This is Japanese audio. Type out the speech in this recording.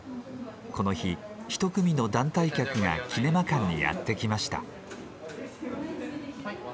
この日一組の団体客がキネマ館にやって来ました。